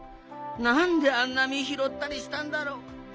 なんであんなみひろったりしたんだろう。